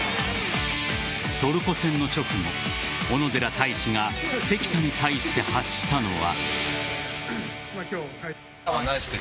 トルコ戦の直後、小野寺太志が関田に対して発したのは。